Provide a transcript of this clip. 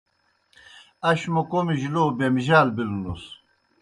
اش موْ کوْمِجیْ لو بِمَجَال بِلوْنُس۔